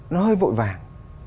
nó hơi vội vàng